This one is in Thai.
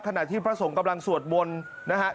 ขณะที่พระสงฆ์กำลังสวดมนต์นะฮะ